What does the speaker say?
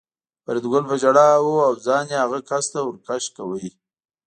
فریدګل په ژړا و او ځان یې هغه کس ته ور کش کاوه